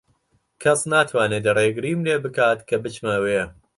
کەس ناتوانێت ڕێگریم لێ بکات کە بچمە ئەوێ.